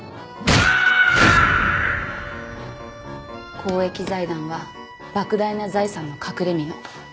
公益財団は莫大な財産の隠れみの。